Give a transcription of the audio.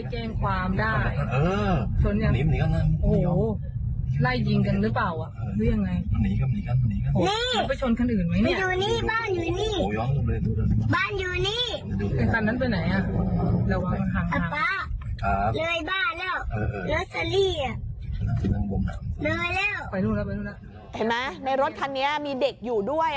เห็นไหมในรถคันนี้มีเด็กอยู่ด้วย